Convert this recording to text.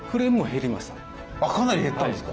かなり減ったんですか。